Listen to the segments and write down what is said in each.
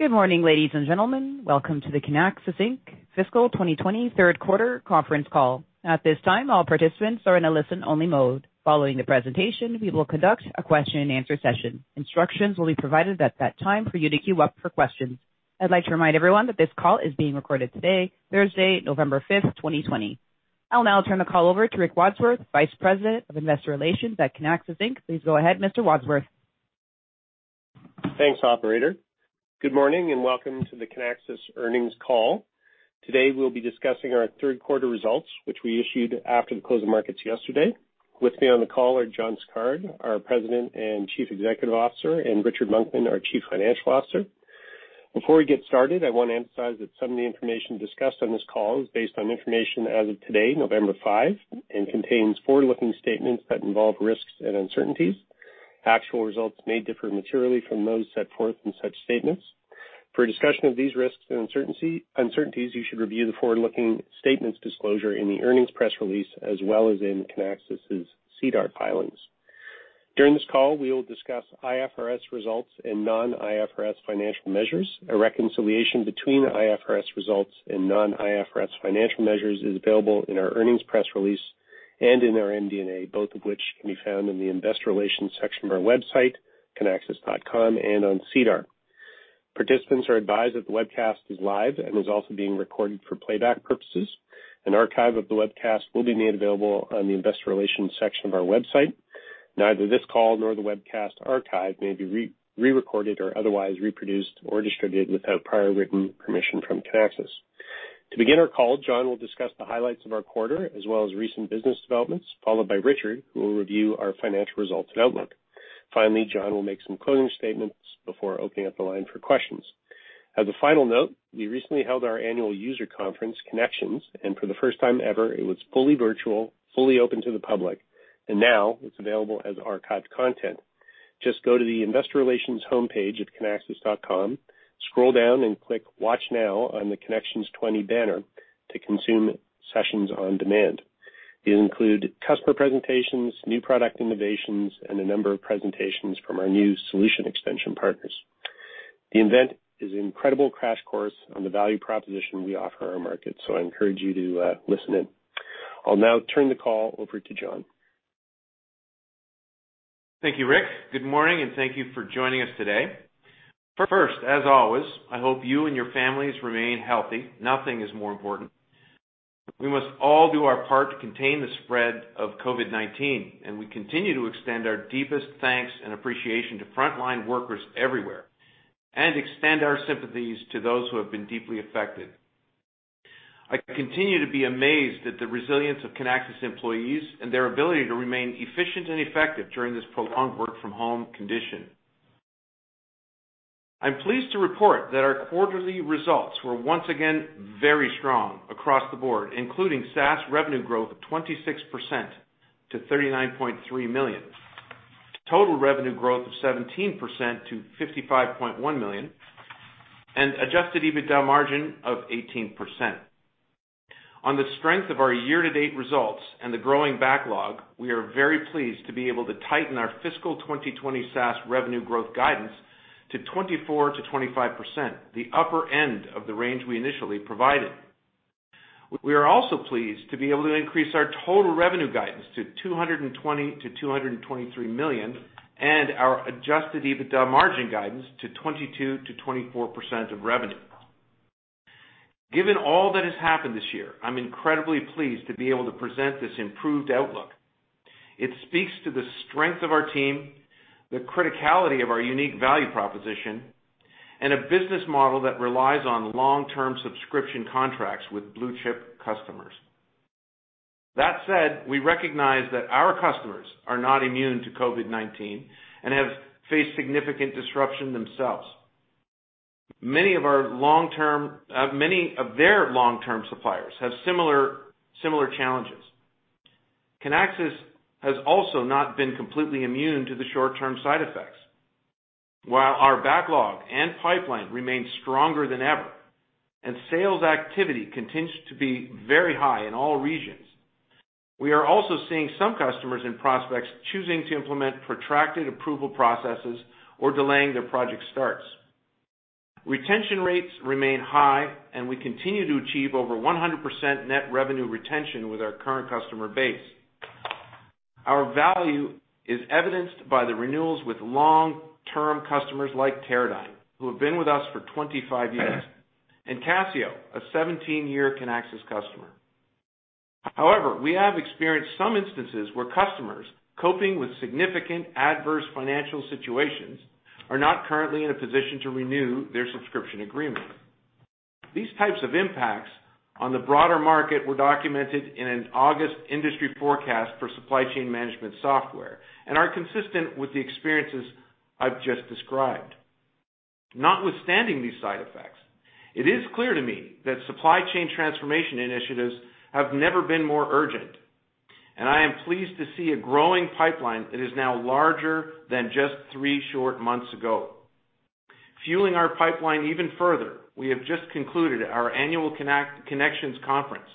Good morning, ladies and gentlemen. Welcome to the Kinaxis Inc. fiscal 2020 third quarter conference call. I'd like to remind everyone that this call is being recorded today, Thursday, November 5th, 2020. I'll now turn the call over to Rick Wadsworth, Vice President of Investor Relations at Kinaxis Inc. Please go ahead, Mr. Wadsworth. Thanks, operator. Good morning and welcome to the Kinaxis earnings call. Today we'll be discussing our third quarter results, which we issued after the close of markets yesterday. With me on the call are John Sicard, our President and Chief Executive Officer, and Richard Monkman, our Chief Financial Officer. Before we get started, I want to emphasize that some of the information discussed on this call is based on information as of today, November 5, and contains forward-looking statements that involve risks and uncertainties. Actual results may differ materially from those set forth in such statements. For a discussion of these risks and uncertainties, you should review the forward-looking statements disclosure in the earnings press release, as well as in Kinaxis' SEDAR filings. During this call, we will discuss IFRS results and non-IFRS financial measures. A reconciliation between IFRS results and non-IFRS financial measures is available in our earnings press release and in our MD&A, both of which can be found in the investor relations section of our website, kinaxis.com, and on SEDAR. Participants are advised that the webcast is live and is also being recorded for playback purposes. An archive of the webcast will be made available on the investor relations section of our website. Neither this call nor the webcast archive may be re-recorded or otherwise reproduced or distributed without prior written permission from Kinaxis. To begin our call, John will discuss the highlights of our quarter, as well as recent business developments, followed by Richard, who will review our financial results and outlook. Finally, John will make some closing statements before opening up the line for questions. As a final note, we recently held our annual user conference, Kinexions, and for the first time ever, it was fully virtual, fully open to the public, and now it's available as archived content. Just go to the investor relations homepage at kinaxis.com, scroll down and click Watch Now on the Kinexions 2020 banner to consume sessions on demand. It'll include customer presentations, new product innovations, and a number of presentations from our new solution extension partners. The event is an incredible crash course on the value proposition we offer our market, so I encourage you to listen in. I'll now turn the call over to John. Thank you, Rick. Good morning, and thank you for joining us today. First, as always, I hope you and your families remain healthy. Nothing is more important. We must all do our part to contain the spread of COVID-19, and we continue to extend our deepest thanks and appreciation to frontline workers everywhere and extend our sympathies to those who have been deeply affected. I continue to be amazed at the resilience of Kinaxis employees and their ability to remain efficient and effective during this prolonged work-from-home condition. I'm pleased to report that our quarterly results were once again very strong across the board, including SaaS revenue growth of 26% to $39.3 million, total revenue growth of 17% to $55.1 million, and adjusted EBITDA margin of 18%. On the strength of our year-to-date results and the growing backlog, we are very pleased to be able to tighten our fiscal 2020 SaaS revenue growth guidance to 24%-25%, the upper end of the range we initially provided. We are also pleased to be able to increase our total revenue guidance to $220 million-$223 million and our adjusted EBITDA margin guidance to 22%-24% of revenue. Given all that has happened this year, I am incredibly pleased to be able to present this improved outlook. It speaks to the strength of our team, the criticality of our unique value proposition, and a business model that relies on long-term subscription contracts with blue-chip customers. That said, we recognize that our customers are not immune to COVID-19 and have faced significant disruption themselves. Many of their long-term suppliers have similar challenges. Kinaxis has also not been completely immune to the short-term side effects. While our backlog and pipeline remain stronger than ever, and sales activity continues to be very high in all regions, we are also seeing some customers and prospects choosing to implement protracted approval processes or delaying their project starts. Retention rates remain high, and we continue to achieve over 100% net revenue retention with our current customer base. Our value is evidenced by the renewals with long-term customers like Teradyne, who have been with us for 25 years, and Casio, a 17-year Kinaxis customer. However, we have experienced some instances where customers coping with significant adverse financial situations are not currently in a position to renew their subscription agreement. These types of impacts on the broader market were documented in an August industry forecast for supply chain management software and are consistent with the experiences I've just described. Notwithstanding these side effects, it is clear to me that supply chain transformation initiatives have never been more urgent, and I am pleased to see a growing pipeline that is now larger than just three short months ago. Fueling our pipeline even further, we have just concluded our annual Kinexions conference,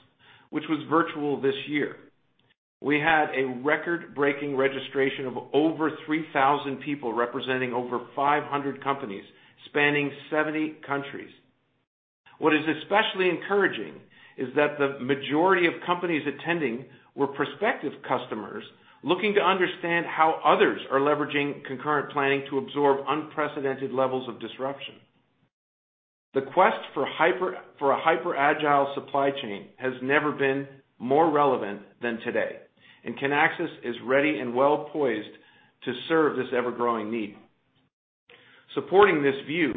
which was virtual this year. We had a record-breaking registration of over 3,000 people representing over 500 companies spanning 70 countries. What is especially encouraging is that the majority of companies attending were prospective customers looking to understand how others are leveraging concurrent planning to absorb unprecedented levels of disruption. The quest for a hyper-agile supply chain has never been more relevant than today. Kinaxis is ready and well-poised to serve this ever-growing need. Supporting this view,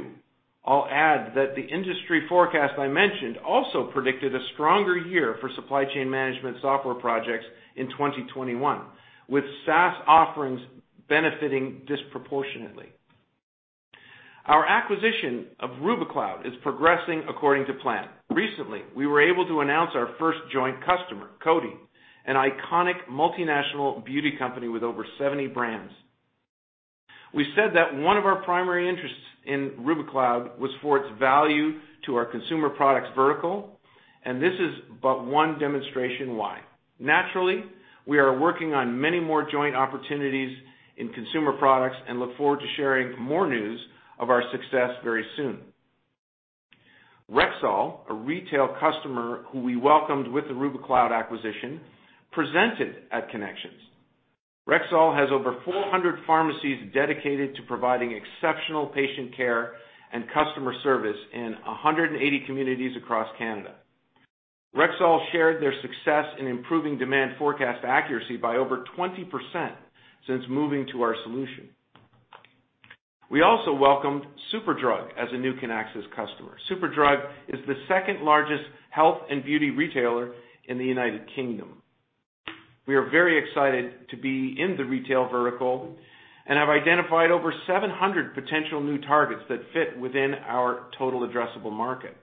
I'll add that the industry forecast I mentioned also predicted a stronger year for supply chain management software projects in 2021, with SaaS offerings benefiting disproportionately. Our acquisition of Rubikloud is progressing according to plan. Recently, we were able to announce our first joint customer, Coty, an iconic multinational beauty company with over 70 brands. We said that one of our primary interests in Rubikloud was for its value to our consumer products vertical, and this is but one demonstration why. Naturally, we are working on many more joint opportunities in consumer products and look forward to sharing more news of our success very soon. Rexall, a retail customer who we welcomed with the Rubikloud acquisition, presented at Kinexions. Rexall has over 400 pharmacies dedicated to providing exceptional patient care and customer service in 180 communities across Canada. Rexall shared their success in improving demand forecast accuracy by over 20% since moving to our solution. We also welcomed Superdrug as a new Kinaxis customer. Superdrug is the second-largest health and beauty retailer in the United Kingdom. We are very excited to be in the retail vertical and have identified over 700 potential new targets that fit within our total addressable market.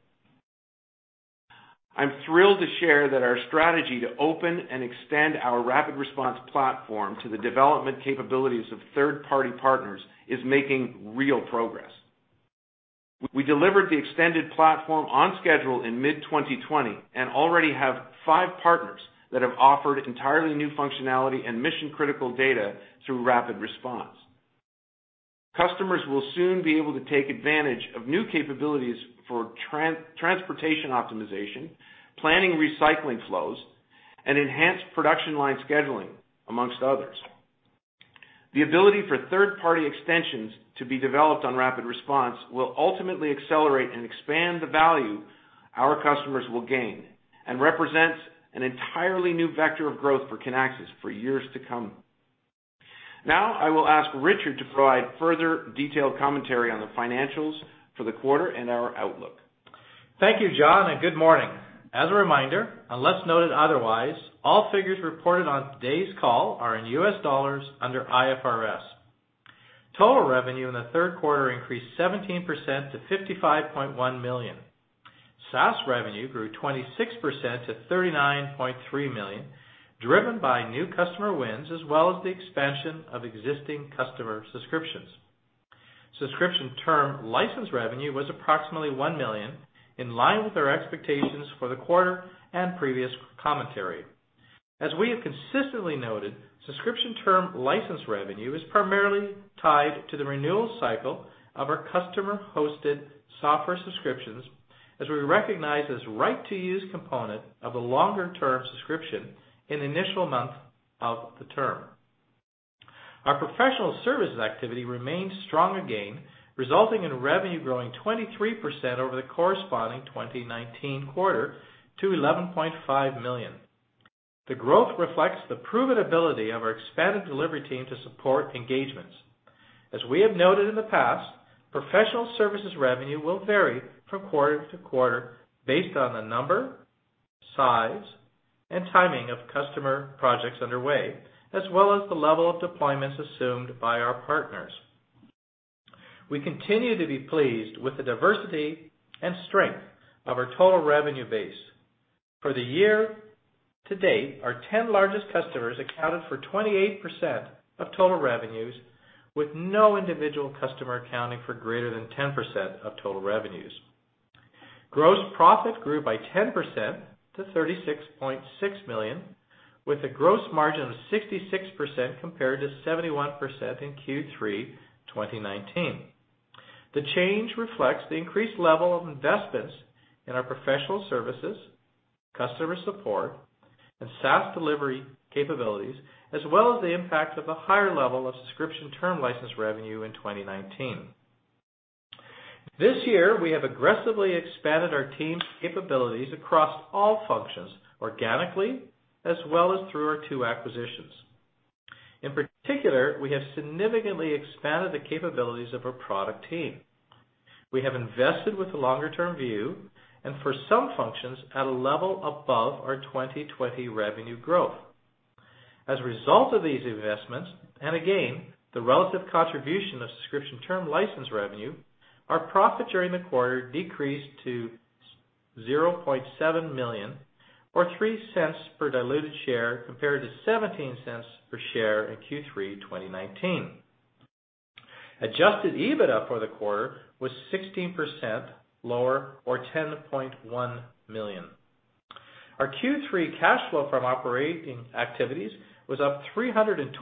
I'm thrilled to share that our strategy to open and extend our RapidResponse platform to the development capabilities of third-party partners is making real progress. We delivered the extended platform on schedule in mid-2020 and already have five partners that have offered entirely new functionality and mission-critical data through RapidResponse. Customers will soon be able to take advantage of new capabilities for transportation optimization, planning recycling flows, and enhanced production line scheduling, amongst others. The ability for third-party extensions to be developed on RapidResponse will ultimately accelerate and expand the value our customers will gain and represents an entirely new vector of growth for Kinaxis for years to come. I will ask Richard to provide further detailed commentary on the financials for the quarter and our outlook. Thank you, John, and good morning. As a reminder, unless noted otherwise, all figures reported on today's call are in USD under IFRS. Total revenue in the third quarter increased 17% to $55.1 million. SaaS revenue grew 26% to $39.3 million, driven by new customer wins, as well as the expansion of existing customer subscriptions. Subscription term license revenue was approximately $1 million, in line with our expectations for the quarter and previous commentary. As we have consistently noted, subscription term license revenue is primarily tied to the renewal cycle of our customer-hosted software subscriptions, as we recognize as right to use component of a longer-term subscription in the initial month of the term. Our professional services activity remained strong again, resulting in revenue growing 23% over the corresponding 2019 quarter to $11.5 million. The growth reflects the proven ability of our expanded delivery team to support engagements. As we have noted in the past, professional services revenue will vary from quarter to quarter based on the number, size, and timing of customer projects underway, as well as the level of deployments assumed by our partners. We continue to be pleased with the diversity and strength of our total revenue base. For the year to date, our 10 largest customers accounted for 28% of total revenues, with no individual customer accounting for greater than 10% of total revenues. Gross profit grew by 10% to $36.6 million, with a gross margin of 66% compared to 71% in Q3 2019. The change reflects the increased level of investments in our professional services, customer support, and SaaS delivery capabilities, as well as the impact of a higher level of subscription term license revenue in 2019. This year, we have aggressively expanded our team's capabilities across all functions organically, as well as through our two acquisitions. In particular, we have significantly expanded the capabilities of our product team. We have invested with a longer-term view, and for some functions, at a level above our 2020 revenue growth. As a result of these investments, and again, the relative contribution of subscription term license revenue, our profit during the quarter decreased to $0.7 million, or $0.03 per diluted share, compared to $0.17 per share in Q3 2019. Adjusted EBITDA for the quarter was 16% lower, or $10.1 million. Our Q3 cash flow from operating activities was up 326%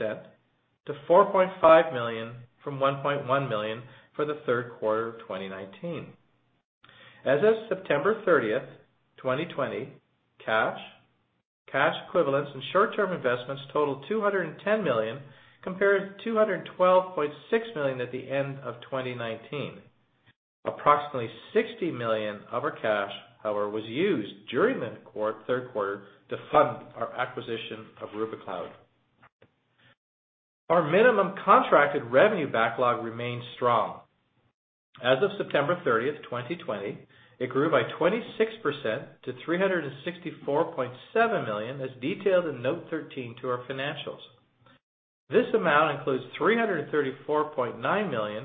to $4.5 million from $1.1 million for the third quarter of 2019. As of September 30th, 2020, cash equivalents, and short-term investments totaled $210 million, compared to $212.6 million at the end of 2019. Approximately $60 million of our cash, however, was used during that third quarter to fund our acquisition of Rubikloud. Our minimum contracted revenue backlog remains strong. As of September 30th, 2020, it grew by 26% to $364.7 million, as detailed in Note 13 to our financials. This amount includes $334.9 million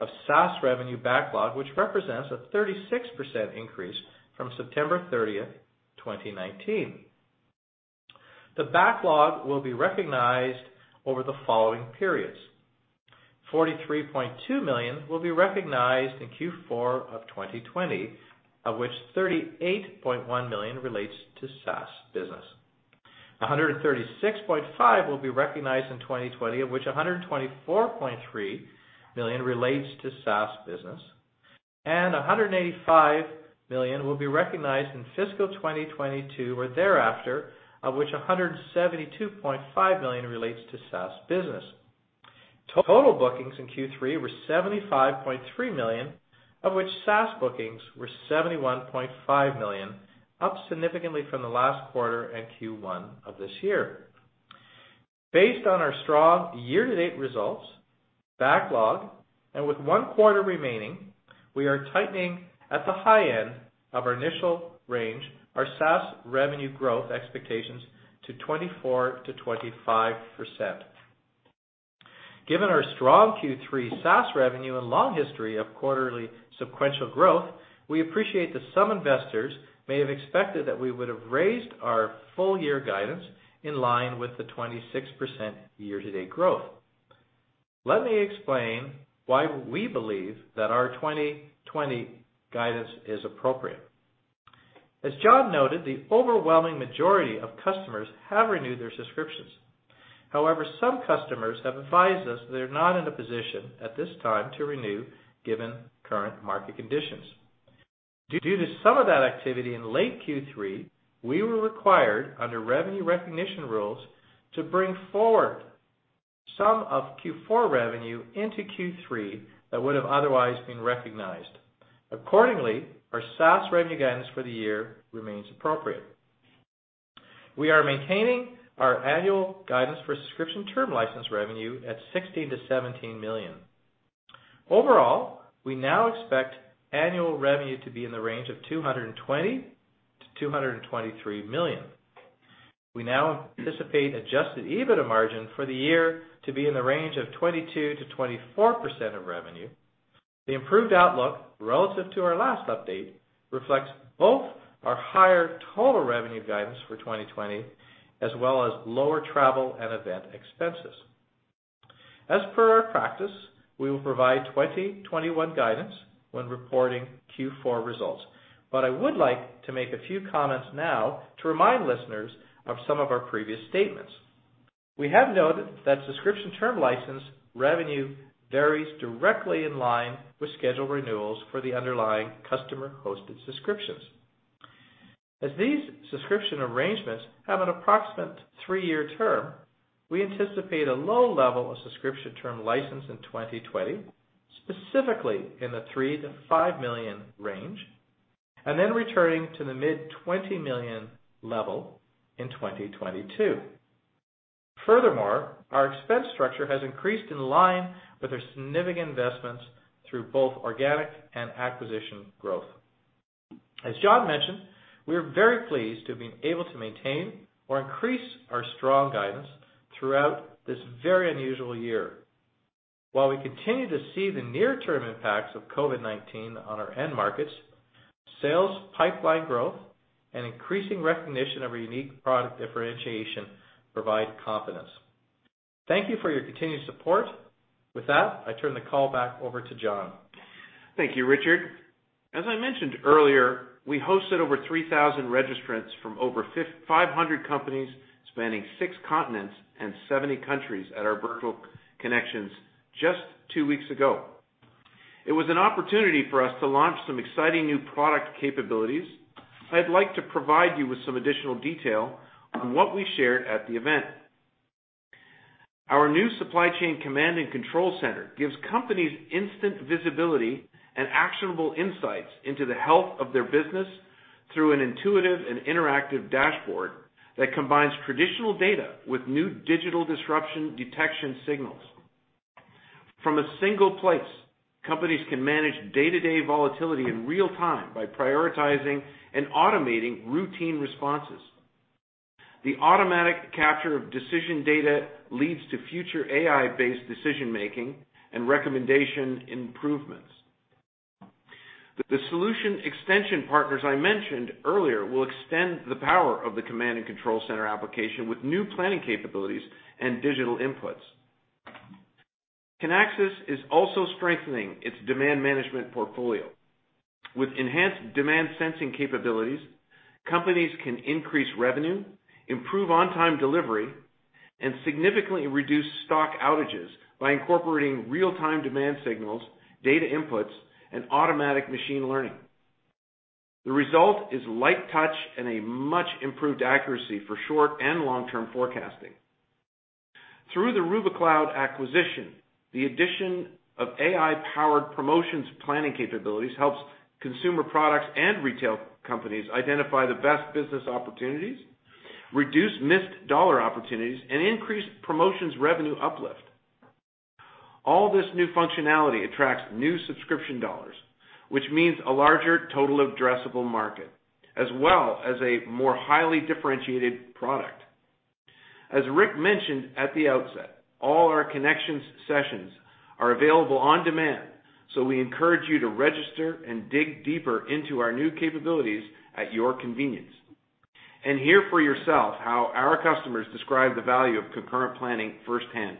of SaaS revenue backlog, which represents a 36% increase from September 30th, 2019. The backlog will be recognized over the following periods. $43.2 million will be recognized in Q4 of 2020, of which $38.1 million relates to SaaS business. $136.5 will be recognized in 2020, of which $124.3 million relates to SaaS business. $185 million will be recognized in fiscal 2022 or thereafter, of which $172.5 million relates to SaaS business. Total bookings in Q3 were $75.3 million, of which SaaS bookings were $71.5 million, up significantly from the last quarter and Q1 of this year. Based on our strong year-to-date results, backlog, and with one quarter remaining, we are tightening at the high end of our initial range our SaaS revenue growth expectations to 24%-25%. Given our strong Q3 SaaS revenue and long history of quarterly sequential growth, we appreciate that some investors may have expected that we would have raised our full year guidance in line with the 26% year-to-date growth. Let me explain why we believe that our 2020 guidance is appropriate. As John noted, the overwhelming majority of customers have renewed their subscriptions. However, some customers have advised us they're not in a position at this time to renew given current market conditions. Due to some of that activity in late Q3, we were required under revenue recognition rules to bring forward some of Q4 revenue into Q3 that would have otherwise been recognized. Accordingly, our SaaS revenue guidance for the year remains appropriate. We are maintaining our annual guidance for subscription term license revenue at $16 million-$17 million. Overall, we now expect annual revenue to be in the range of $220 million-$223 million. We now anticipate adjusted EBITDA margin for the year to be in the range of 22%-24% of revenue. The improved outlook relative to our last update reflects both our higher total revenue guidance for 2020, as well as lower travel and event expenses. As per our practice, we will provide 2021 guidance when reporting Q4 results. I would like to make a few comments now to remind listeners of some of our previous statements. We have noted that subscription term license revenue varies directly in line with scheduled renewals for the underlying customer-hosted subscriptions. As these subscription arrangements have an approximate three-year term, we anticipate a low level of subscription term license in 2020, specifically in the $3 million-$5 million range, and then returning to the mid $20 million level in 2022. Furthermore, our expense structure has increased in line with our significant investments through both organic and acquisition growth. As John mentioned, we are very pleased to have been able to maintain or increase our strong guidance throughout this very unusual year. While we continue to see the near-term impacts of COVID-19 on our end markets, sales pipeline growth, and increasing recognition of our unique product differentiation provide confidence. Thank you for your continued support. With that, I turn the call back over to John. Thank you, Richard. As I mentioned earlier, we hosted over 3,000 registrants from over 500 companies spanning six continents and 70 countries at our virtual Kinexions just two weeks ago. It was an opportunity for us to launch some exciting new product capabilities. I'd like to provide you with some additional detail on what we shared at the event. Our new supply chain Command & Control Center gives companies instant visibility and actionable insights into the health of their business through an intuitive and interactive dashboard that combines traditional data with new digital disruption detection signals. From a single place, companies can manage day-to-day volatility in real time by prioritizing and automating routine responses. The automatic capture of decision data leads to future AI-based decision-making and recommendation improvements. The solution extension partners I mentioned earlier will extend the power of the Command & Control Center application with new planning capabilities and digital inputs. Kinaxis is also strengthening its demand management portfolio. With enhanced demand sensing capabilities, companies can increase revenue, improve on-time delivery, and significantly reduce stock outages by incorporating real-time demand signals, data inputs, and automatic machine learning. The result is light touch and a much-improved accuracy for short and long-term forecasting. Through the Rubikloud acquisition, the addition of AI-powered promotions planning capabilities helps consumer products and retail companies identify the best business opportunities, reduce missed dollar opportunities, and increase promotions revenue uplift. All this new functionality attracts new subscription dollars, which means a larger total addressable market, as well as a more highly differentiated product. As Rick mentioned at the outset, all our Kinexions sessions are available on demand, so we encourage you to register and dig deeper into our new capabilities at your convenience, and hear for yourself how our customers describe the value of concurrent planning firsthand.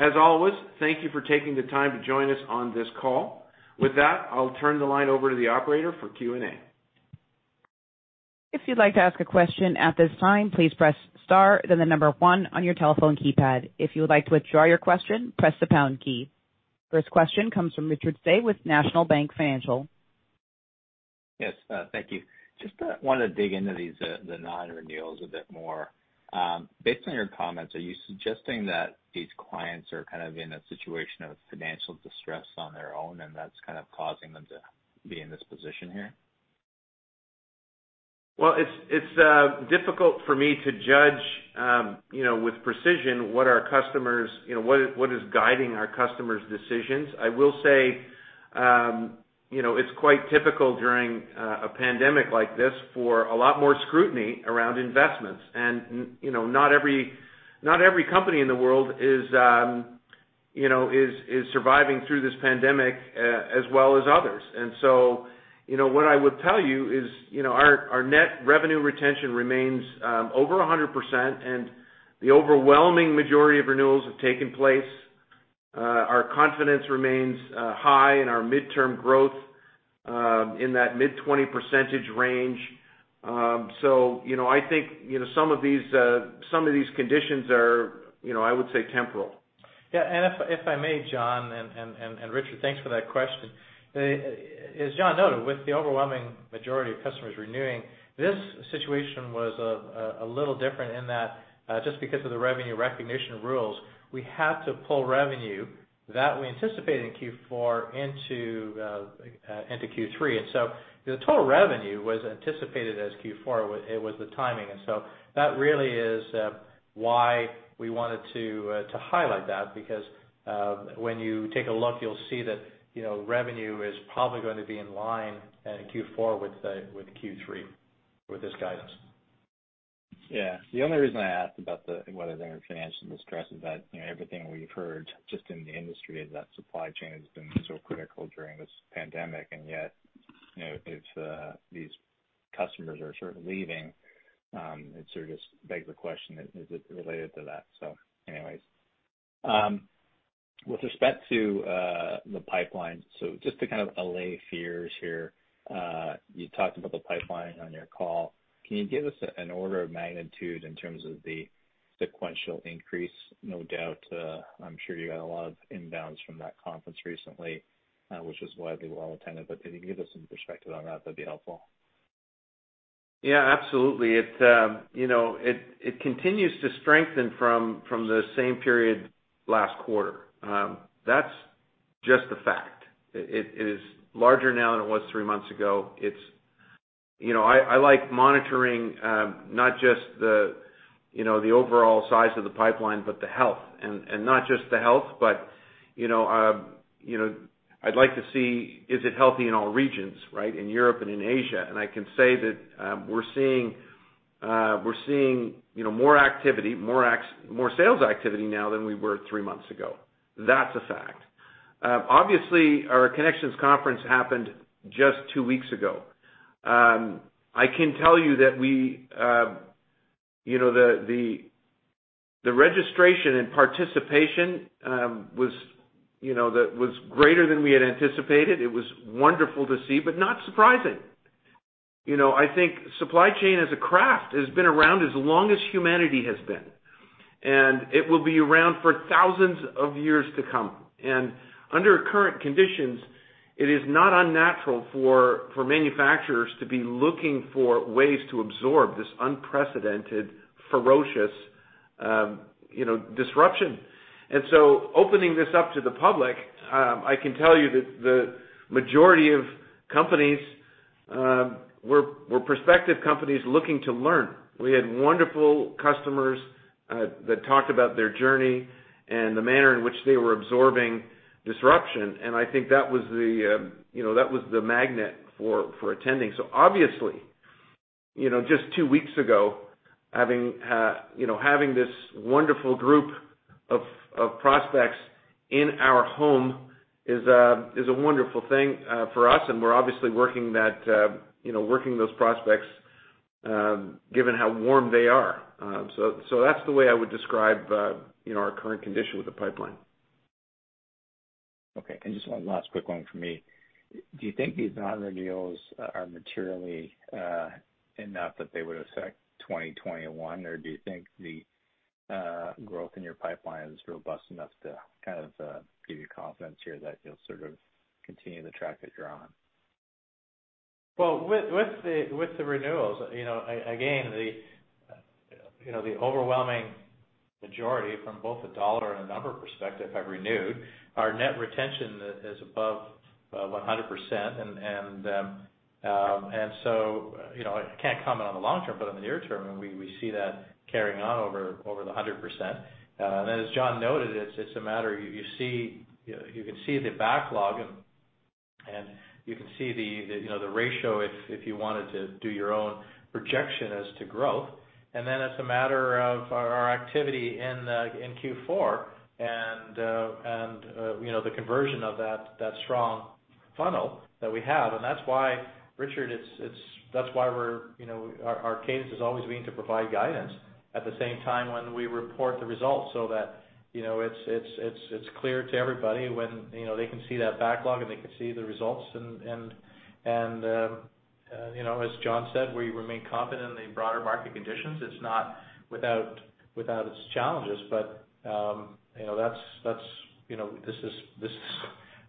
As always, thank you for taking the time to join us on this call. With that, I'll turn the line over to the operator for Q&A. If you'd like to ask a question at this time, please press star then the number one on your telephone keypad. If you would like to withdraw your question, press the pound key. First question comes from Richard Tse with National Bank Financial. Yes, thank you. Just wanted to dig into these, the non-renewals a bit more. Based on your comments, are you suggesting that these clients are kind of in a situation of financial distress on their own, and that's kind of causing them to be in this position here? Well, it's difficult for me to judge with precision what is guiding our customers' decisions. I will say, it's quite typical during a pandemic like this for a lot more scrutiny around investments. Not every company in the world is surviving through this pandemic as well as others. What I would tell you is our net revenue retention remains over 100%, and the overwhelming majority of renewals have taken place. Our confidence remains high in our midterm growth, in that mid-20 percentage range. I think some of these conditions are I would say temporal. Yeah. If I may, John, and Richard, thanks for that question. As John noted, with the overwhelming majority of customers renewing, this situation was a little different in that just because of the revenue recognition rules, we had to pull revenue that we anticipated in Q4 into Q3. The total revenue was anticipated as Q4. It was the timing. That really is why we wanted to highlight that, because when you take a look, you'll see that revenue is probably going to be in line in Q4 with Q3, with this guidance. Yeah. The only reason I asked about whether they're in financial distress is that everything we've heard just in the industry is that supply chain has been so critical during this pandemic. Yet, if these customers are sort of leaving, it sort of just begs the question, is it related to that? Anyways. With respect to the pipeline, so just to kind of allay fears here, you talked about the pipeline on your call. Can you give us an order of magnitude in terms of the sequential increase? No doubt, I'm sure you got a lot of inbounds from that conference recently, which was widely well-attended. Can you give us some perspective on that? That'd be helpful. Yeah, absolutely. It continues to strengthen from the same period last quarter. That's just the fact. It is larger now than it was three months ago. I like monitoring, not just the overall size of the pipeline, but the health. Not just the health, but I'd like to see is it healthy in all regions, right? In Europe and in Asia. I can say that we're seeing more activity, more sales activity now than we were three months ago. That's a fact. Obviously, our Kinexions conference happened just two weeks ago. I can tell you that the registration and participation was greater than we had anticipated. It was wonderful to see, but not surprising. I think supply chain as a craft has been around as long as humanity has been, and it will be around for thousands of years to come. Under current conditions, it is not unnatural for manufacturers to be looking for ways to absorb this unprecedented, ferocious disruption. Opening this up to the public, I can tell you that the majority of companies were prospective companies looking to learn. We had wonderful customers that talked about their journey and the manner in which they were absorbing disruption, and I think that was the magnet for attending. Just two weeks ago, having this wonderful group of prospects in our home is a wonderful thing for us. We're obviously working those prospects given how warm they are. That's the way I would describe our current condition with the pipeline. Okay. Just one last quick one from me. Do you think these non-renewals are materially enough that they would affect 2021? Do you think the growth in your pipeline is robust enough to kind of give you confidence here that you'll sort of continue the track that you're on? Well, with the renewals, again, the overwhelming majority from both a dollar and a number perspective have renewed. Our net revenue retention is above 100%. I can't comment on the long term, but in the near term, we see that carrying on over the 100%. As John noted, you can see the backlog, and you can see the ratio if you wanted to do your own projection as to growth. It's a matter of our activity in Q4 and the conversion of that strong funnel that we have. That's why, Richard, our cadence has always been to provide guidance at the same time when we report the results, so that it's clear to everybody when they can see that backlog, and they can see the results, and as John said, we remain confident in the broader market conditions. It's not without its challenges, but this is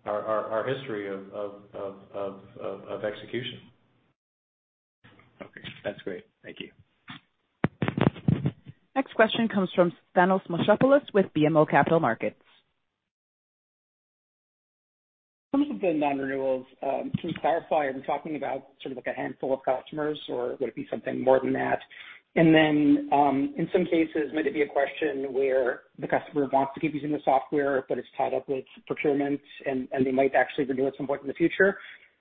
our history of execution. Okay. That's great. Thank you. Next question comes from Thanos Moschopoulos with BMO Capital Markets. Some of the non-renewals, can you clarify, are you talking about sort of like a handful of customers, or would it be something more than that? In some cases, might it be a question where the customer wants to keep using the software but it's tied up with procurement, and they might actually renew at some point in the future?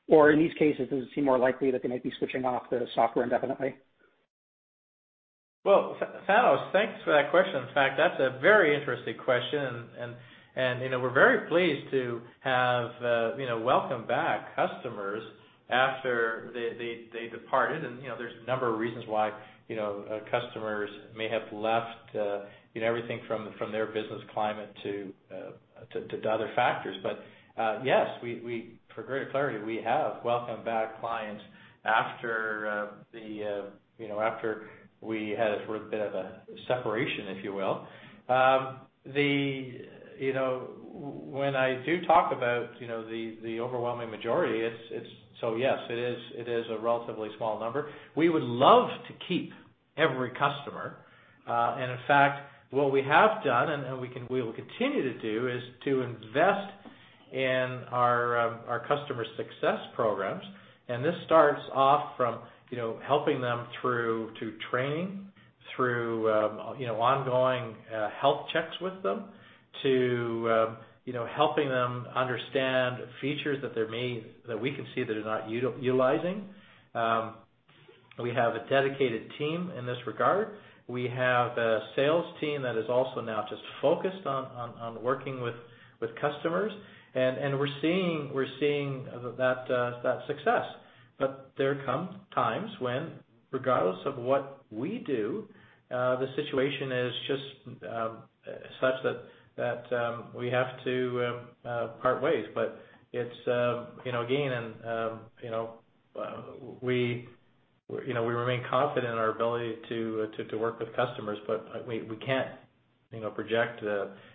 In these cases, does it seem more likely that they might be switching off the software indefinitely? Well, Thanos, thanks for that question. In fact, that's a very interesting question, and we're very pleased to have welcomed back customers after they departed. There's a number of reasons why customers may have left, everything from their business climate to the other factors. Yes, for greater clarity, we have welcomed back clients after we had a bit of a separation, if you will. When I do talk about the overwhelming majority, so yes, it is a relatively small number. We would love to keep every customer. In fact, what we have done, and we will continue to do, is to invest in our customer success programs. This starts off from helping them through to training, through ongoing health checks with them, to helping them understand features that we can see they're not utilizing. We have a dedicated team in this regard. We have a sales team that is also now just focused on working with customers, and we're seeing that success. There come times when, regardless of what we do, the situation is just such that we have to part ways. Again, we remain confident in our ability to work with customers, but we can't project.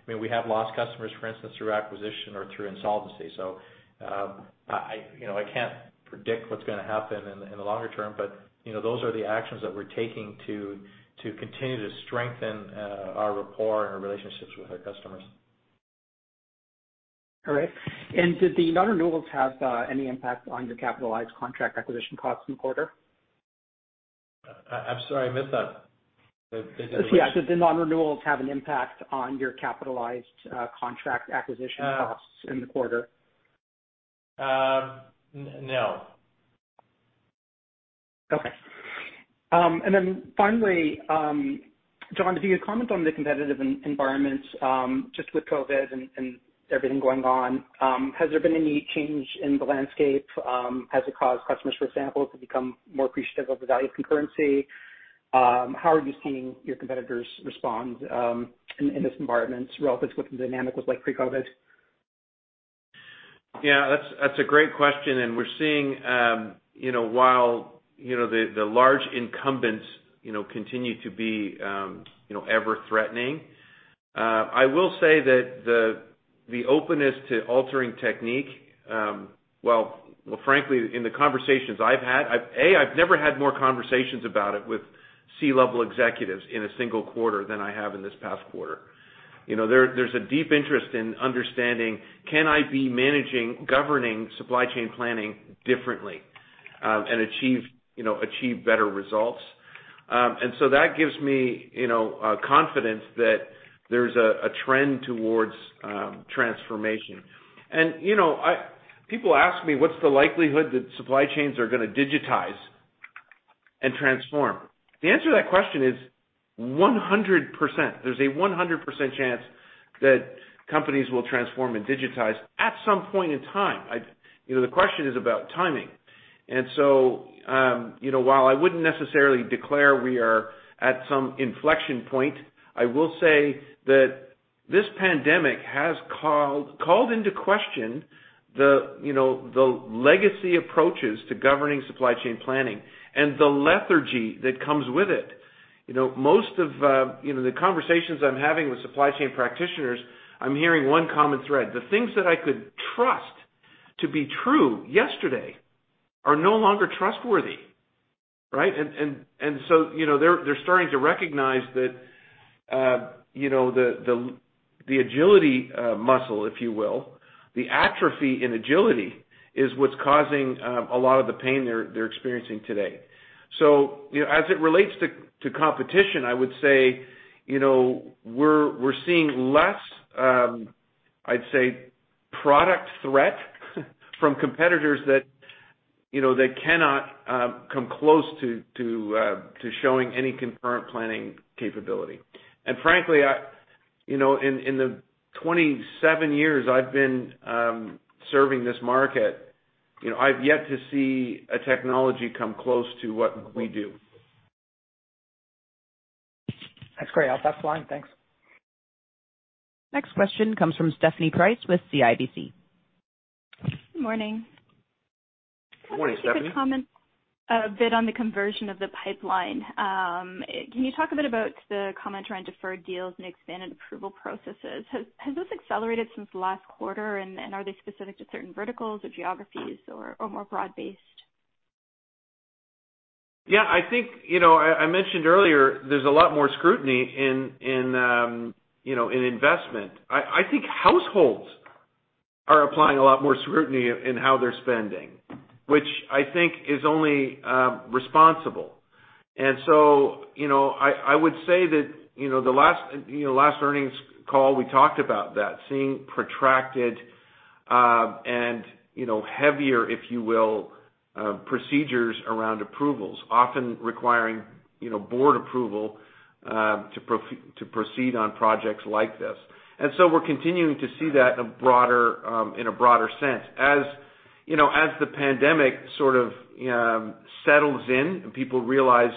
We have lost customers, for instance, through acquisition or through insolvency. I can't predict what's going to happen in the longer term, but those are the actions that we're taking to continue to strengthen our rapport and our relationships with our customers. All right. Did the non-renewals have any impact on your capitalized contract acquisition costs in the quarter? I'm sorry, I missed that. The did what? Did the non-renewals have an impact on your capitalized contract acquisition costs in the quarter? No. Okay. Finally, John, if you could comment on the competitive environment, just with COVID and everything going on. Has there been any change in the landscape? Has it caused customers, for example, to become more appreciative of the value of concurrency? How are you seeing your competitors respond in this environment relative to the dynamics with pre-COVID? Yeah, that's a great question, and we're seeing while the large incumbents continue to be ever-threatening. I will say that the openness to altering technique, Well, frankly, in the conversations I've had, A, I've never had more conversations about it with C-level executives in a single quarter than I have in this past quarter. There's a deep interest in understanding, can I be managing governing supply chain planning differently and achieve better results? That gives me confidence that there's a trend towards transformation. People ask me, what's the likelihood that supply chains are going to digitize and transform? The answer to that question is 100%. There's a 100% chance that companies will transform and digitize at some point in time. The question is about timing. While I wouldn't necessarily declare we are at some inflection point, I will say that this pandemic has called into question the legacy approaches to governing supply chain planning and the lethargy that comes with it. Most of the conversations I'm having with supply chain practitioners, I'm hearing one common thread. The things that I could trust to be true yesterday are no longer trustworthy, right? They're starting to recognize that the agility muscle, if you will, the atrophy in agility is what's causing a lot of the pain they're experiencing today. As it relates to competition, I would say, we're seeing less, I'd say, product threat from competitors that cannot come close to showing any concurrent planning capability. Frankly, in the 27 years I've been serving this market, I've yet to see a technology come close to what we do. That's great. I'll pass the line. Thanks. Next question comes from Stephanie Price with CIBC. Good morning. Good morning, Stephanie. Can I get you to comment a bit on the conversion of the pipeline? Can you talk a bit about the commentary on deferred deals and expanded approval processes? Has this accelerated since last quarter, and are they specific to certain verticals or geographies or more broad-based? Yeah, I think, I mentioned earlier, there's a lot more scrutiny in investment. I think households are applying a lot more scrutiny in how they're spending, which I think is only responsible. I would say that the last earnings call, we talked about that, seeing protracted and heavier, if you will, procedures around approvals, often requiring board approval to proceed on projects like this. We're continuing to see that in a broader sense as the pandemic sort of settles in and people realize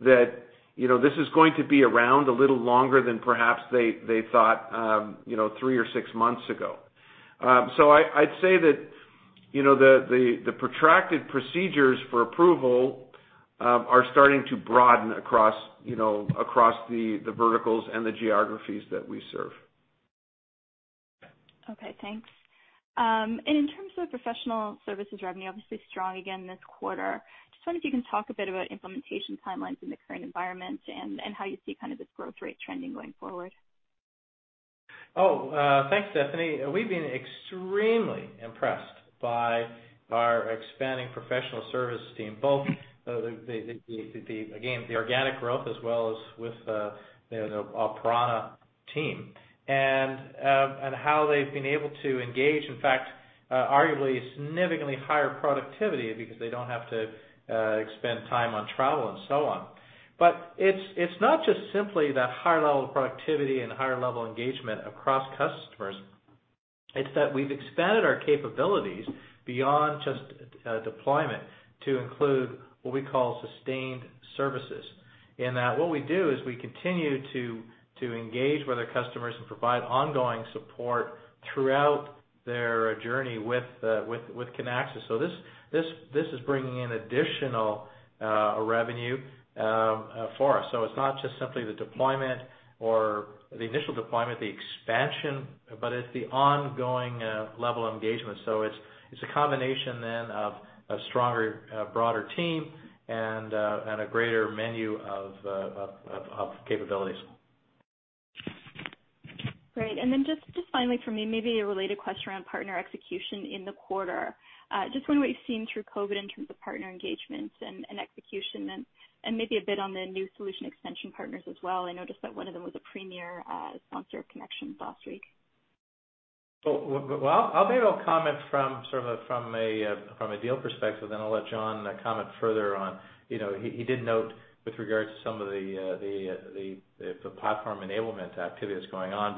that this is going to be around a little longer than perhaps they thought three or six months ago. I'd say that the protracted procedures for approval are starting to broaden across the verticals and the geographies that we serve. Okay, thanks. In terms of professional services revenue, obviously strong again this quarter, just wonder if you can talk a bit about implementation timelines in the current environment and how you see kind of this growth rate trending going forward? Thanks, Stephanie. We've been extremely impressed by our expanding professional service team, both the again, the organic growth as well as with the Prana team and how they've been able to engage. Arguably significantly higher productivity because they don't have to expend time on travel and so on. It's not just simply the higher level of productivity and higher level engagement across customers, it's that we've expanded our capabilities beyond just deployment to include what we call sustained services, in that what we do is we continue to engage with our customers and provide ongoing support throughout their journey with Kinaxis. This is bringing in additional revenue for us. It's not just simply the deployment or the initial deployment, the expansion, but it's the ongoing level of engagement. It's a combination then of a stronger, broader team and a greater menu of capabilities. Great. Then just finally from me, maybe a related question around partner execution in the quarter. Just wondering what you've seen through COVID in terms of partner engagements and execution and maybe a bit on the new solution extension partners as well. I noticed that one of them was a premier sponsor of Kinexions last week. Well, I'll make a comment from a deal perspective, then I'll let John comment further on. He did note with regards to some of the platform enablement activities going on.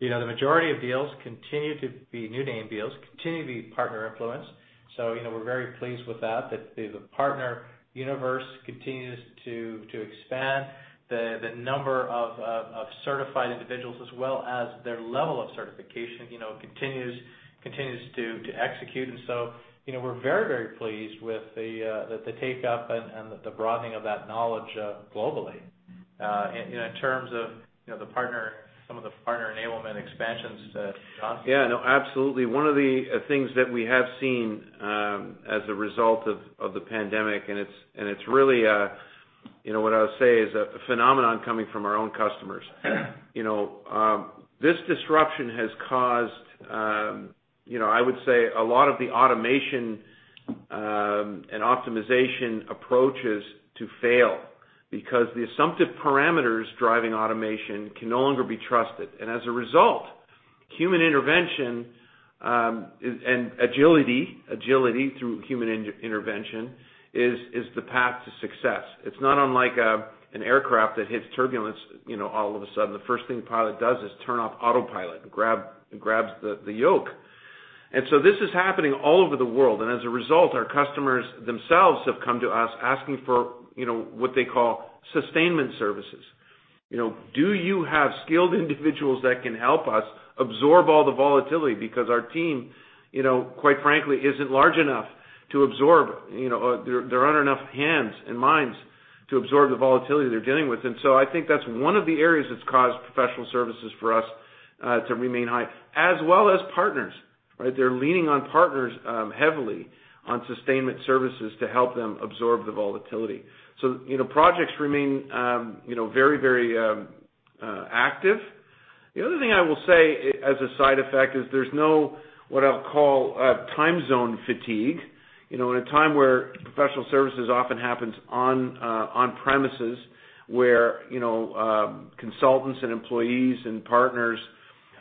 The majority of deals continue to be new name deals, continue to be partner influenced. We're very pleased with that the partner universe continues to expand the number of certified individuals as well as their level of certification continues to execute. We're very pleased with the take-up and the broadening of that knowledge globally. In terms of some of the partner enablement expansions to John? Yeah, no, absolutely. One of the things that we have seen as a result of the pandemic, and it's really what I would say is a phenomenon coming from our own customers. This disruption has caused, I would say a lot of the automation and optimization approaches to fail because the assumptive parameters driving automation can no longer be trusted. As a result, human intervention, and agility through human intervention is the path to success. It's not unlike an aircraft that hits turbulence, all of a sudden, the first thing the pilot does is turn off autopilot and grabs the yoke. This is happening all over the world, and as a result, our customers themselves have come to us asking for what they call sustainment services. Do you have skilled individuals that can help us absorb all the volatility because our team, quite frankly, isn't large enough to absorb. There aren't enough hands and minds to absorb the volatility they're dealing with. I think that's one of the areas that's caused professional services for us to remain high, as well as partners, right? They're leaning on partners heavily on sustainment services to help them absorb the volatility. Projects remain very active. The other thing I will say as a side effect is there's no what I'll call a time zone fatigue. In a time where professional services often happens on premises where consultants and employees and partners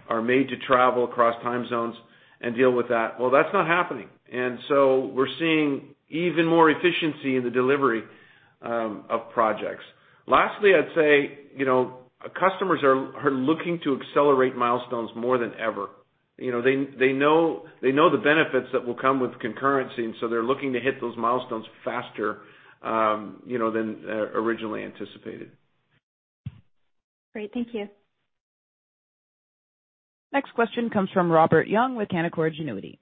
are made to travel across time zones and deal with that. Well, that's not happening. We're seeing even more efficiency in the delivery of projects. Lastly, I'd say, customers are looking to accelerate milestones more than ever. They know the benefits that will come with concurrency. They're looking to hit those milestones faster than originally anticipated. Great. Thank you. Next question comes from Robert Young with Canaccord Genuity.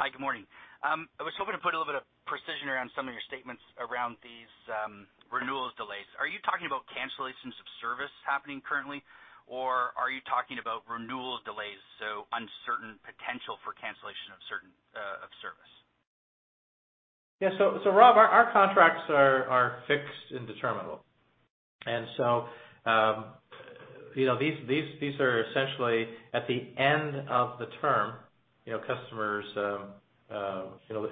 Hi, good morning. I was hoping to put a little bit of precision around some of your statements around these renewals delays. Are you talking about cancellations of service happening currently, or are you talking about renewals delays, so uncertain potential for cancellation of service? Yeah. Rob, our contracts are fixed and determinable. These are essentially at the end of the term, it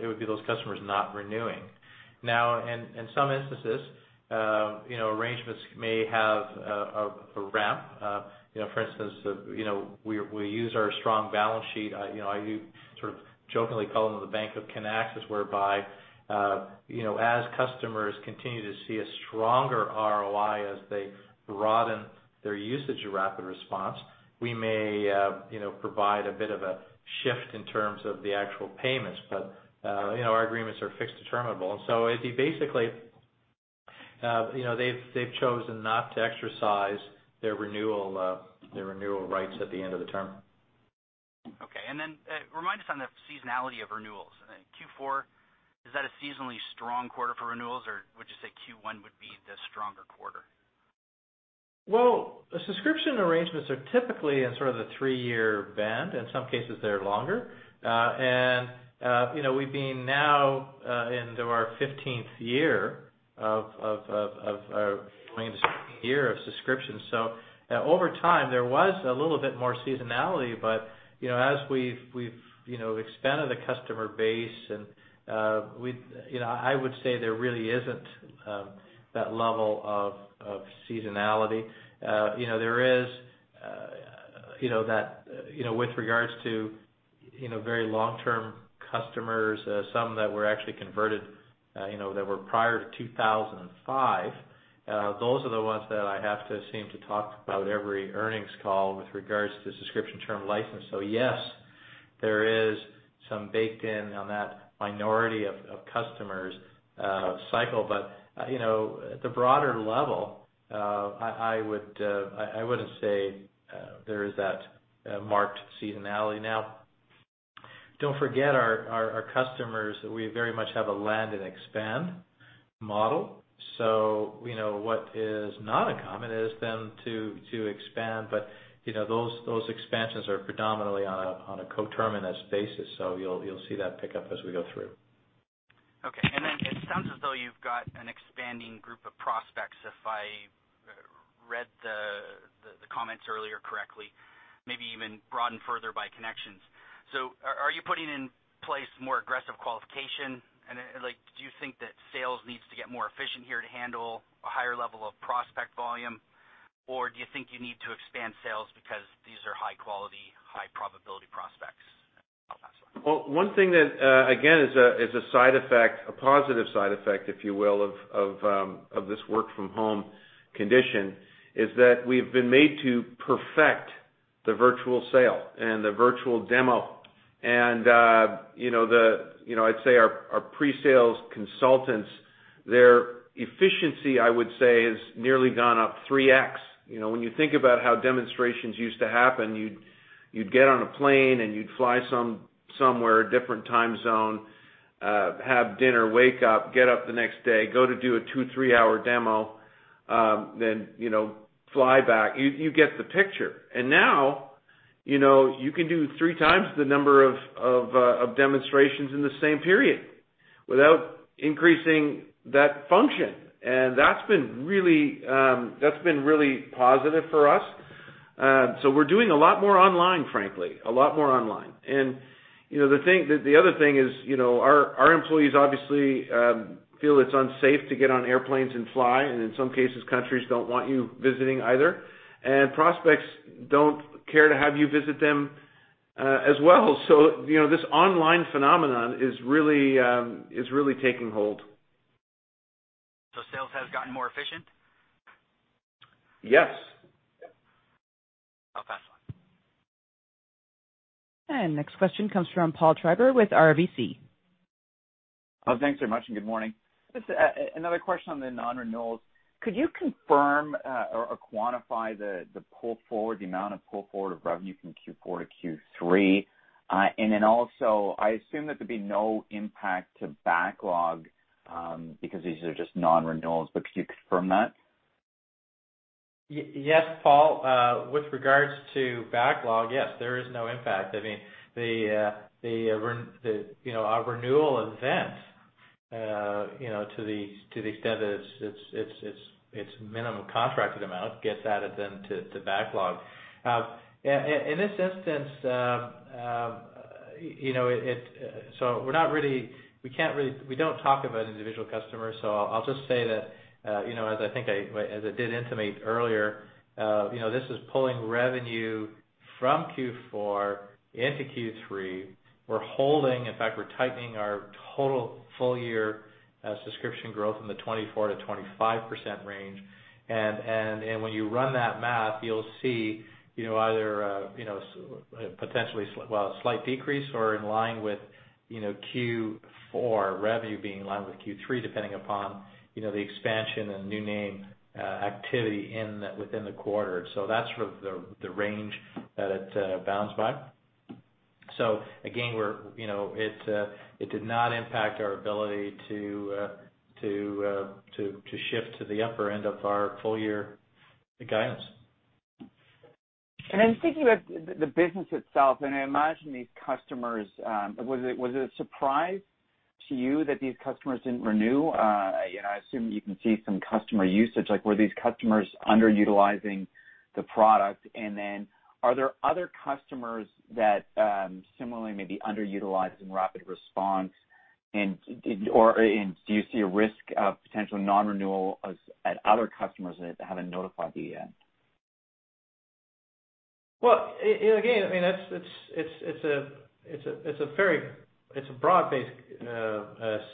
would be those customers not renewing. Now, in some instances, arrangements may have a ramp. For instance, we use our strong balance sheet, I sort of jokingly call them the Bank of Kinaxis, whereby as customers continue to see a stronger ROI as they broaden their usage of RapidResponse, we may provide a bit of a shift in terms of the actual payments. Our agreements are fixed determinable. Basically, they've chosen not to exercise their renewal rights at the end of the term. Okay. Remind us on the seasonality of renewals. Q4, is that a seasonally strong quarter for renewals, or would you say Q1 would be the stronger quarter? Well, subscription arrangements are typically in sort of the three-year band. In some cases, they're longer. We've been now into our 15th year of going into 16th year of subscriptions. Over time, there was a little bit more seasonality, but as we've expanded the customer base and I would say there really isn't that level of seasonality. There is with regards to very long-term customers, some that were actually converted that were prior to 2005. Those are the ones that I have to seem to talk about every earnings call with regards to subscription term license. Yes, there is some baked in on that minority of customers' cycle. At the broader level, I wouldn't say there is that marked seasonality. Now, don't forget our customers, we very much have a land and expand model. What is not uncommon is then to expand. Those expansions are predominantly on a co-terminus basis. You'll see that pick up as we go through. Okay. It sounds as though you've got an expanding group of prospects, if I read the comments earlier correctly, maybe even broadened further by Kinexions. Are you putting in place more aggressive qualification? Do you think that sales needs to get more efficient here to handle a higher level of prospect volume? Do you think you need to expand sales because these are high-quality, high-probability prospects? I'll pass it on. One thing that, again, is a side effect, a positive side effect, if you will, of this work from home condition, is that we've been made to perfect the virtual sale and the virtual demo. I'd say our pre-sales consultants, their efficiency, I would say, has nearly gone up 3x. When you think about how demonstrations used to happen, you'd get on a plane and you'd fly somewhere, a different time zone, have dinner, wake up, get up the next day, go to do a two, three-hour demo, then fly back. You get the picture. Now, you can do three times the number of demonstrations in the same period without increasing that function. That's been really positive for us. We're doing a lot more online, frankly, a lot more online. The other thing is our employees obviously feel it's unsafe to get on airplanes and fly, and in some cases, countries don't want you visiting either. Prospects don't care to have you visit them as well. This online phenomenon is really taking hold. Sales has gotten more efficient? Yes. I'll pass on. Next question comes from Paul Treiber with RBC. Oh, thanks very much, and good morning. Just another question on the non-renewals. Could you confirm or quantify the pull forward, the amount of pull forward of revenue from Q4 to Q3? Then also, I assume that there'd be no impact to backlog, because these are just non-renewals. Could you confirm that? Yes, Paul. With regards to backlog, yes, there is no impact. I mean, our renewal event, to the extent that its minimum contracted amount gets added then to backlog. In this instance, we don't talk about individual customers, I'll just say that, as I did intimate earlier, this is pulling revenue from Q4 into Q3. We're holding, in fact, we're tightening our total full-year subscription growth in the 24%-25% range. When you run that math, you'll see either potentially, well, a slight decrease or in line with Q4 revenue being in line with Q3, depending upon the expansion and new name activity within the quarter. That's sort of the range that it bounds by. Again, it did not impact our ability to shift to the upper end of our full-year guidance. Thinking about the business itself, and I imagine these customers, was it a surprise to you that these customers didn't renew? I assume you can see some customer usage, like were these customers underutilizing the product? Are there other customers that similarly may be underutilized in RapidResponse, and do you see a risk of potential non-renewal at other customers that haven't notified you yet? Again, it's a broad-based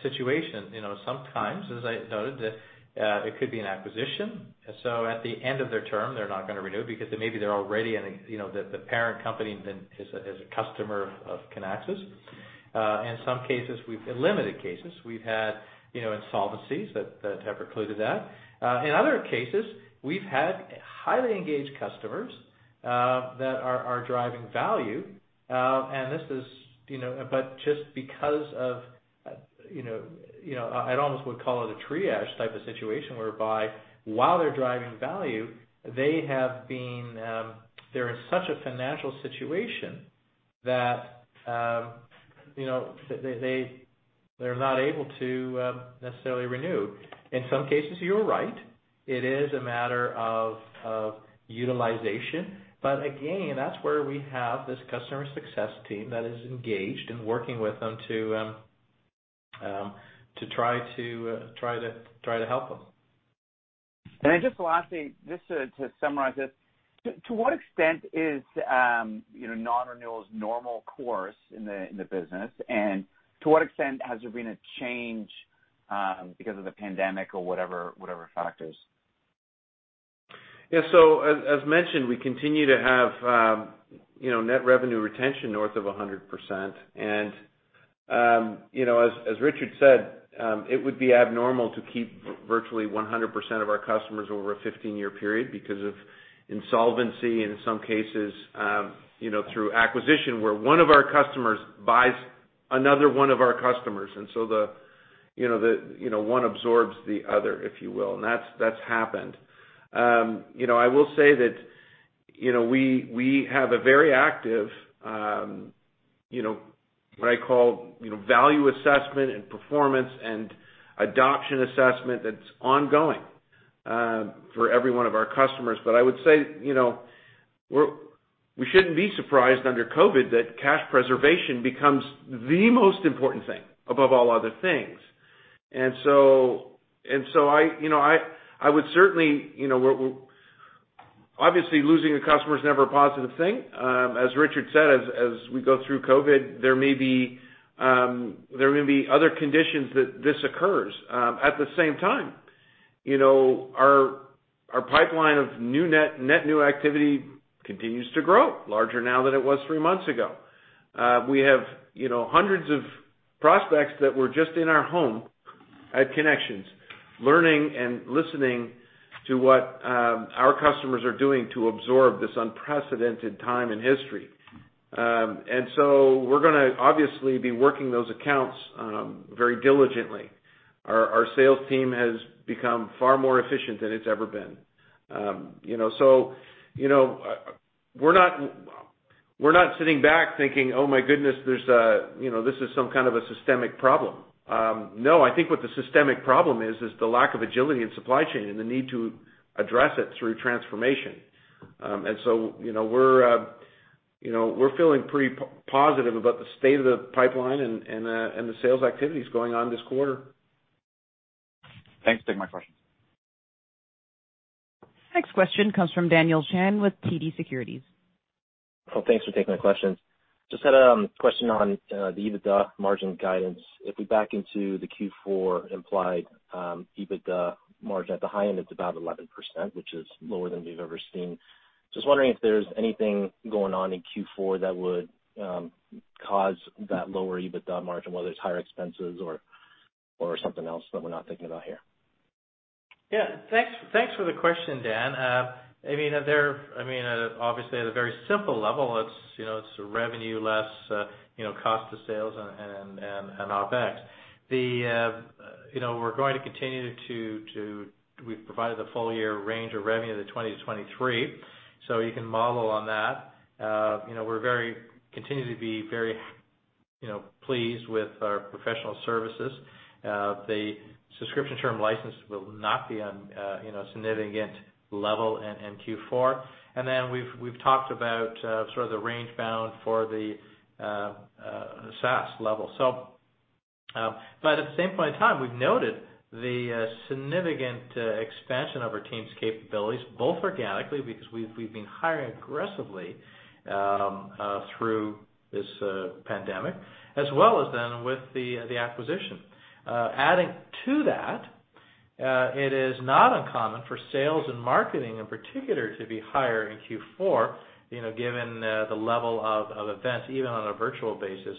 situation. Sometimes, as I noted, it could be an acquisition. At the end of their term, they're not going to renew because maybe the parent company is a customer of Kinaxis. In limited cases, we've had insolvencies that have precluded that. In other cases, we've had highly engaged customers that are driving value. Just because of, I almost would call it a triage type of situation, whereby while they're driving value, they're in such a financial situation that they're not able to necessarily renew. In some cases, you are right. It is a matter of utilization. Again, that's where we have this customer success team that is engaged in working with them to try to help them. Just lastly, just to summarize this, to what extent is non-renewal is normal course in the business, and to what extent has there been a change because of the pandemic or whatever factors? Yeah. As mentioned, we continue to have net revenue retention north of 100%. As Richard said, it would be abnormal to keep virtually 100% of our customers over a 15-year period because of insolvency, in some cases through acquisition, where one of our customers buys another one of our customers, and one absorbs the other, if you will. That's happened. I will say that we have a very active, what I call, value assessment and performance and adoption assessment that's ongoing for every one of our customers. I would say we shouldn't be surprised under COVID that cash preservation becomes the most important thing above all other things. Obviously, losing a customer is never a positive thing. As Richard said, as we go through COVID, there may be other conditions that this occurs. At the same time, our pipeline of net new activity continues to grow, larger now than it was three months ago. We have hundreds of prospects that were just in our home at Kinexions, learning and listening to what our customers are doing to absorb this unprecedented time in history. We're going to obviously be working those accounts very diligently. Our sales team has become far more efficient than it's ever been. We're not sitting back thinking, "Oh my goodness, this is some kind of a systemic problem." No, I think what the systemic problem is the lack of agility in supply chain and the need to address it through transformation. We're feeling pretty positive about the state of the pipeline and the sales activities going on this quarter. Thanks. Take my questions. Next question comes from Daniel Chan with TD Securities. Oh, thanks for taking my questions. Just had a question on the EBITDA margin guidance. If we back into the Q4 implied EBITDA margin at the high end, it's about 11%, which is lower than we've ever seen. Just wondering if there's anything going on in Q4 that would cause that lower EBITDA margin, whether it's higher expenses or something else that we're not thinking about here. Yeah. Thanks for the question, Dan. Obviously at a very simple level, it's revenue less cost of sales and OpEx. We've provided the full-year range of revenue to $220 million-$223 million, so you can model on that. We continue to be very pleased with our professional services. The subscription term license will not be on a significant level in Q4. We've talked about sort of the range bound for the SaaS level. At the same point in time, we've noted the significant expansion of our team's capabilities, both organically because we've been hiring aggressively through this pandemic, as well as then with the acquisition. Adding to that, it is not uncommon for sales and marketing in particular to be higher in Q4, given the level of events, even on a virtual basis.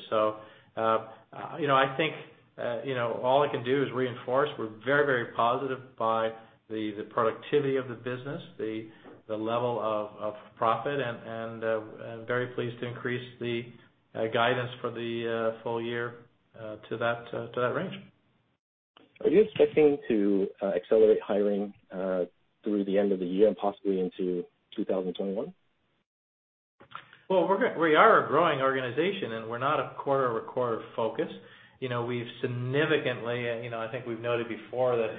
I think all I can do is reinforce, we're very positive by the productivity of the business, the level of profit, and very pleased to increase the guidance for the full year to that range. Are you expecting to accelerate hiring through the end of the year and possibly into 2021? Well, we are a growing organization, and we're not a quarter-over-quarter focus. I think we've noted before that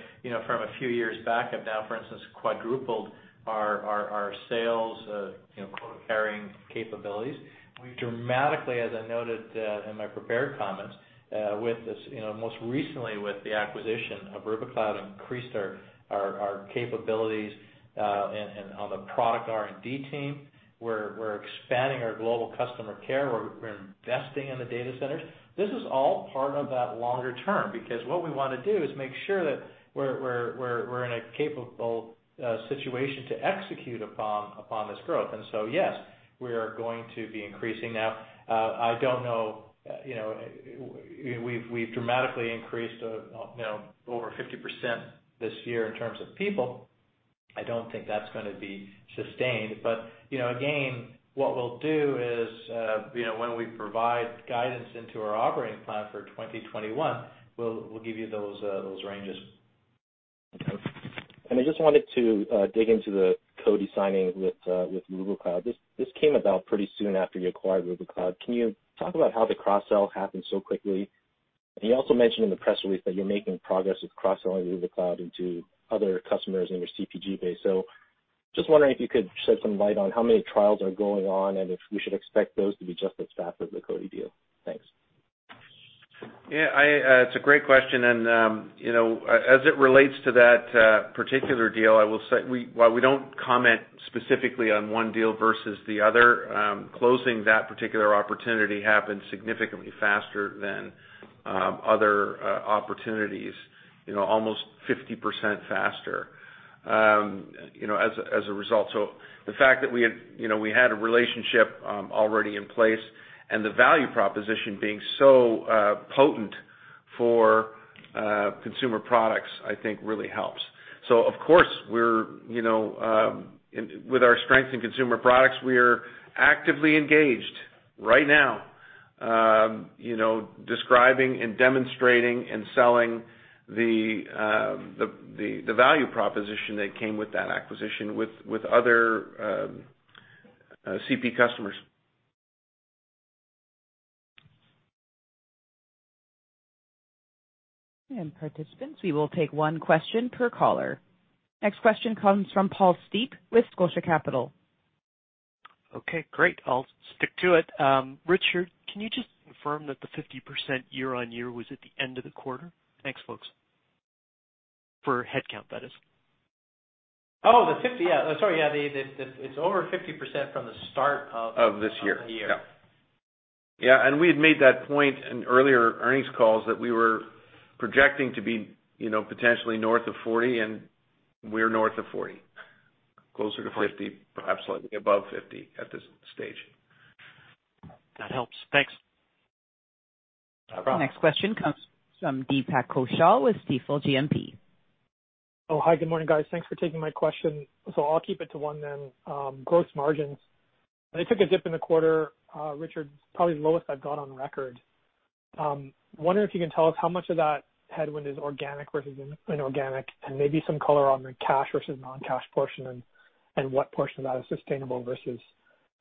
from a few years back up now, for instance, quadrupled our sales quota-carrying capabilities. We've dramatically, as I noted in my prepared comments, most recently with the acquisition of Rubikloud, increased our capabilities on the product R&D team. We're expanding our global customer care. We're investing in the data centers. This is all part of that longer term, because what we want to do is make sure that we're in a capable situation to execute upon this growth. Yes, we are going to be increasing. Now, we've dramatically increased over 50% this year in terms of people. I don't think that's going to be sustained. Again, what we'll do is, when we provide guidance into our operating plan for 2021, we'll give you those ranges. Okay. I just wanted to dig into the Coty signing with Rubikloud. This came about pretty soon after you acquired Rubikloud. Can you talk about how the cross-sell happened so quickly? You also mentioned in the press release that you're making progress with cross-selling Rubikloud into other customers in your CPG base. Just wondering if you could shed some light on how many trials are going on, and if we should expect those to be just as fast as the Coty deal. Thanks. Yeah, it's a great question, and as it relates to that particular deal, while we don't comment specifically on one deal versus the other, closing that particular opportunity happened significantly faster than other opportunities. Almost 50% faster as a result. The fact that we had a relationship already in place and the value proposition being so potent for consumer products, I think really helps. Of course, with our strength in consumer products, we're actively engaged right now, describing and demonstrating and selling the value proposition that came with that acquisition with other CPG customers. Participants, we will take one question per caller. Next question comes from Paul Steep with Scotia Capital. Okay, great. I will stick to it. Richard, can you just confirm that the 50% year-over-year was at the end of the quarter? Thanks, folks. For headcount, that is. Oh, the 50. Yeah. Sorry. Yeah. Of this year the year. Yeah. Yeah, we had made that point in earlier earnings calls that we were projecting to be potentially north of 40%, and we're north of 40%, closer to 50%, perhaps slightly above 50% at this stage. That helps. Thanks. No problem. Next question comes from Deepak Kaushal with Stifel GMP. Oh, hi. Good morning, guys. Thanks for taking my question. I'll keep it to one then. Gross margins, they took a dip in the quarter. Richard, probably the lowest I've got on record. Wondering if you can tell us how much of that headwind is organic versus inorganic, and maybe some color on the cash versus non-cash portion, and what portion of that is sustainable versus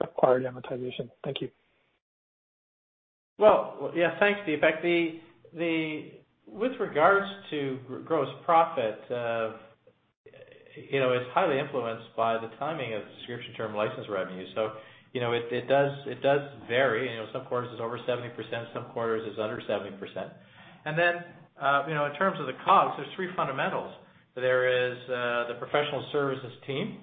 acquired amortization. Thank you. Well, yeah. Thanks, Deepak. With regards to gross profit, it's highly influenced by the timing of subscription term license revenue. It does vary. Some quarters it's over 70%, some quarters it's under 70%. In terms of the costs, there's three fundamentals. There is the professional services team,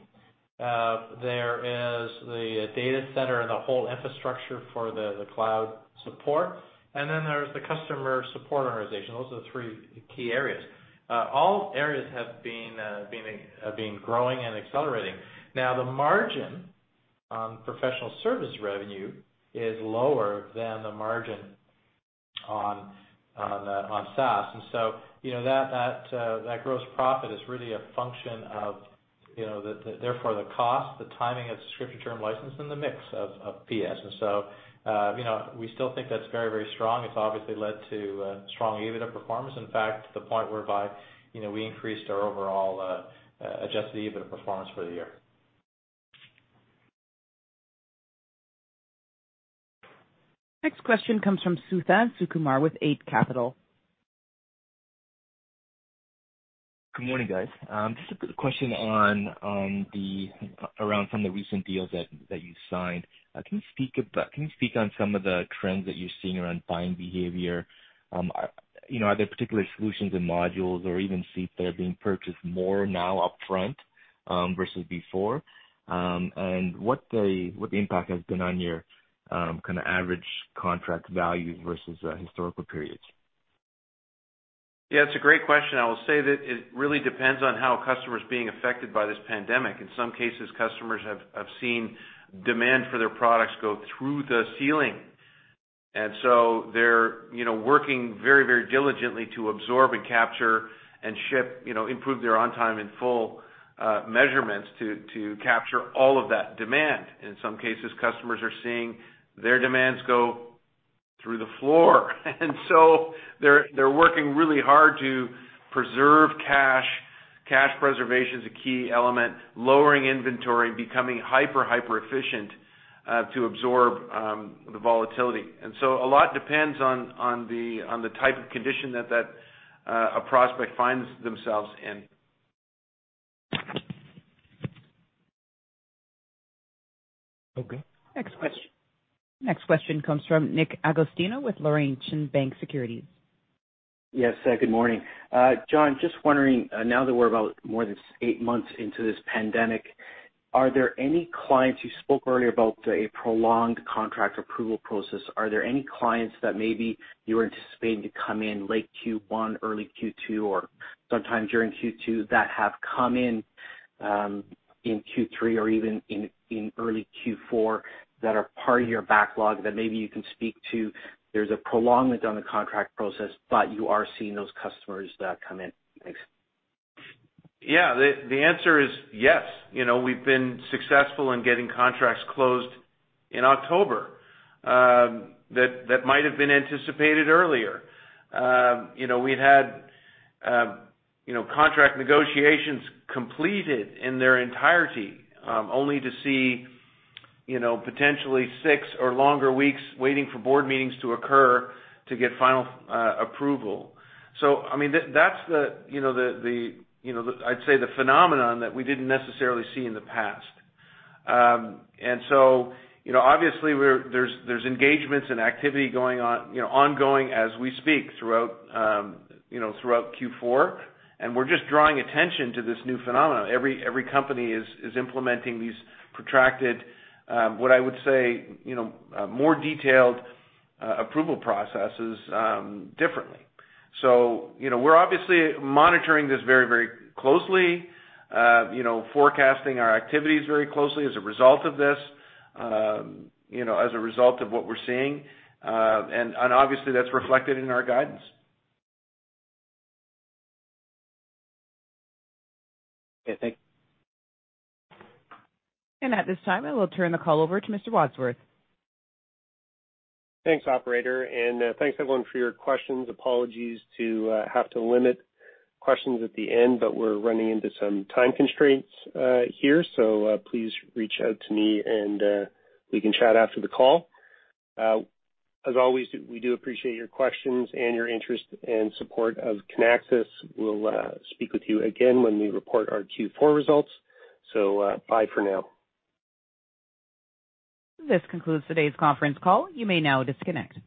there is the data center and the whole infrastructure for the cloud support, and then there's the customer support organization. Those are the three key areas. All areas have been growing and accelerating. Now, the margin on professional service revenue is lower than the margin on SaaS, and so that gross profit is really a function of, therefore, the cost, the timing of subscription term license, and the mix of PS. We still think that's very strong. It's obviously led to strong EBITDA performance. In fact, to the point whereby we increased our overall adjusted EBITDA performance for the year. Next question comes from Suthan Sukumar with Eight Capital. Good morning, guys. Just a quick question from the recent deals that you signed. Can you speak on some of the trends that you're seeing around buying behavior? Are there particular solutions and modules or even seats that are being purchased more now upfront, versus before? What the impact has been on your average contract value versus historical periods? Yeah, it's a great question. I will say that it really depends on how a customer is being affected by this pandemic. In some cases, customers have seen demand for their products go through the ceiling. They're working very diligently to absorb and capture and ship, improve their on-time in-full measurements to capture all of that demand. In some cases, customers are seeing their demands go through the floor. They're working really hard to preserve cash. Cash preservation is a key element, lowering inventory, becoming hyper-efficient, to absorb the volatility. A lot depends on the type of condition that a prospect finds themselves in. Okay. Next question comes from Nick Agostino with Laurentian Bank Securities. Yes. Good morning. John, just wondering, now that we're about more than eight months into this pandemic, you spoke earlier about a prolonged contract approval process. Are there any clients that maybe you were anticipating to come in late Q1, early Q2, or sometime during Q2, that have come in Q3 or even in early Q4, that are part of your backlog that maybe you can speak to? There's a prolongment on the contract process, but you are seeing those customers that come in. Thanks. Yeah. The answer is yes. We've been successful in getting contracts closed in October, that might have been anticipated earlier. We'd had contract negotiations completed in their entirety, only to see potentially six or longer weeks waiting for board meetings to occur to get final approval. That's, I'd say, the phenomenon that we didn't necessarily see in the past. Obviously, there's engagements and activity ongoing as we speak throughout Q4, and we're just drawing attention to this new phenomenon. Every company is implementing these protracted, what I would say, more detailed approval processes differently. We're obviously monitoring this very closely, forecasting our activities very closely as a result of this, as a result of what we're seeing. Obviously, that's reflected in our guidance. Okay. Thank you. At this time, I will turn the call over to Mr. Wadsworth. Thanks, operator, and thanks, everyone, for your questions. Apologies to have to limit questions at the end, but we're running into some time constraints here. Please reach out to me and we can chat after the call. As always, we do appreciate your questions and your interest and support of Kinaxis. We'll speak with you again when we report our Q4 results. Bye for now. This concludes today's conference call. You may now disconnect.